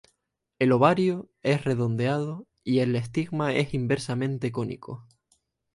El ovario es redondeado y el estigma es inversamente cónico.